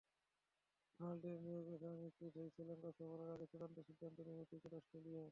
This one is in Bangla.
ডোনাল্ডের নিয়োগ এখনো নিশ্চিত নয়, শ্রীলঙ্কা সফরের আগে চূড়ান্ত সিদ্ধান্ত নেবে ক্রিকেট অস্ট্রেলিয়া।